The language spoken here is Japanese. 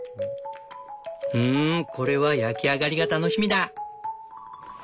うんこれは焼き上がりが楽しみだ！